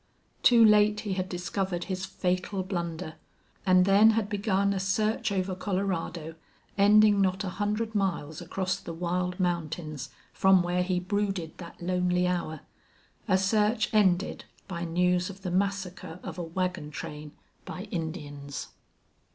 Too late he had discovered his fatal blunder; and then had begun a search over Colorado, ending not a hundred miles across the wild mountains from where he brooded that lonely hour a search ended by news of the massacre of a wagon train by Indians.